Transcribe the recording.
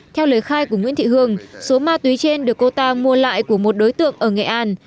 theo lời khai của nguyễn thị hương số ma túy trên được cô ta mua lại của một đối tượng ở nghệ an